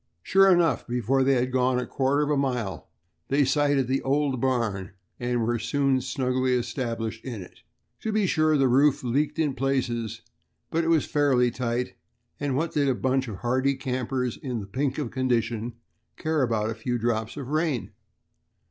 Sure enough, before they had gone a quarter of a mile they sighted the old barn, and were soon snugly established in it. To be sure, the roof leaked in places, but it was fairly tight, and what did a bunch of hardy campers, in the pink of condition, care for a few drops of rain?